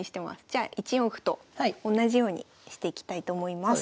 じゃあ１四歩と同じようにしていきたいと思います。